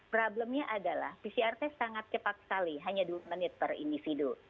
problemnya adalah pcr test sangat cepat sekali hanya dua menit per individu